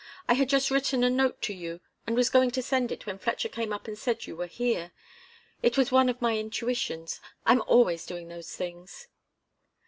I had just written a note to you and was going to send it, when Fletcher came up and said you were here. It was one of my intuitions I'm always doing those things."